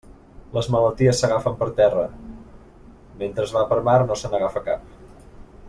Les malalties s'agafen per terra; mentre es va per mar no se n'agafa cap.